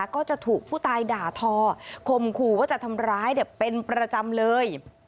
ก็จะถูกผู้ตายด่าทอคมขู่ว่าจะทำร้ายเป็นประจำเลย